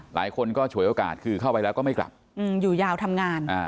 หลายคนก็ฉวยโอกาสคือเข้าไปแล้วก็ไม่กลับอยู่ยาวทำงาน